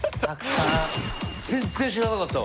全然知らなかったわ。